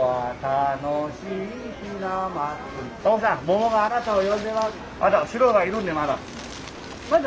奥さん桃があなたを呼んでます。